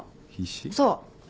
そう。